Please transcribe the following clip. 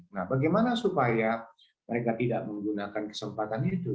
nah bagaimana supaya mereka tidak menggunakan kesempatan itu